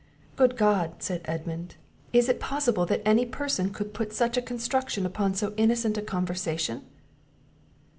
"Good God!" said Edmund, "is it possible that any person could put such a construction upon so innocent a conversation?"